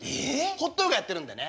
ホットヨガやってるんでね